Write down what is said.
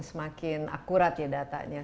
semakin akurat ya datanya